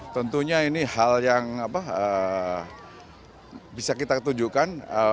tentunya ini hal yang bisa kita tunjukkan